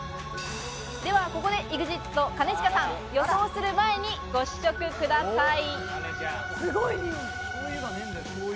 ではここでＥＸＩＴ・兼近さん、予想する前にご試食ください。